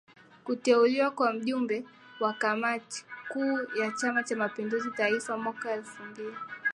kuteuliwa kuwa Mjumbe wa Kamati Kuu ya Chama cha mapinduzi Taifa mwaka elfu mbili